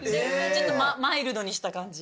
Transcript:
ちょっとマイルドにした感じ。